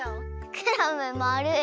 クラムまるい。